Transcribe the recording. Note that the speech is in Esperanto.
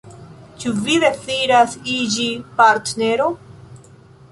Ĉu vi deziras iĝi partnero?